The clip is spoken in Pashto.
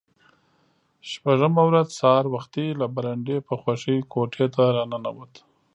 شپږمه ورځ سهار وختي له برنډې په خوښۍ کوټې ته را ننوت.